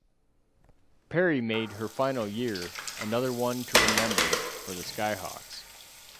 Perry made her final year another one to remember for the Skyhawks.